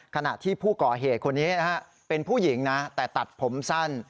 ขณะที่ผู้ก่อเหตุคนนี้นะฮะเป็นผู้หญิงนะแต่ตัดผมสั้น